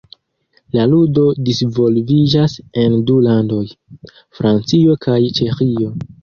La ludo disvolviĝas en du landoj: Francio kaj Ĉeĥio.